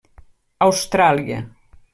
Austràlia.